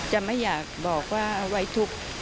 จะไม่อยากบอกว่าเอาไว้ทุกข์